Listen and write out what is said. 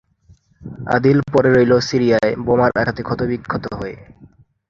আদিল পড়ে রইল সিরিয়ায়, বোমার আঘাতে ক্ষতবিক্ষত হয়ে।